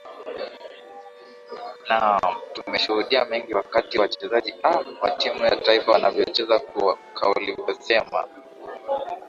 naam tumeshudia mengi wakati wachezaji aa wa timu ya taifa wanavyocheza kaulivyosema